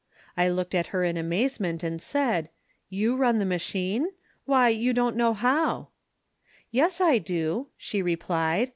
I looked at her in amazement, and said, "You run the machine? Why you don't know how." "Yes I do," she replied.